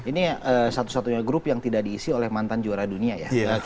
ini satu satunya grup yang tidak diisi oleh mantan juara dunia ya